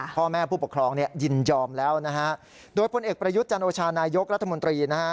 พ่อแม่ผู้ปกครองเนี่ยยินยอมแล้วนะฮะโดยพลเอกประยุทธ์จันโอชานายกรัฐมนตรีนะฮะ